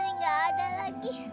mas putri gak ada lagi